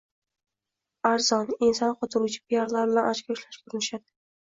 arzon, ensani qotiruvchi piarlar bilan ochko ishlashga urinishadi?